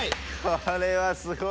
これはすごい！